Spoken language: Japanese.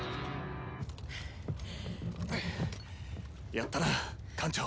「やったな艦長」